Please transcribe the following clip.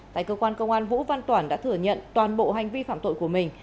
tại cơ quan công an vũ văn toản đã thừa nhận toàn bộ hành vi phạm tội của mình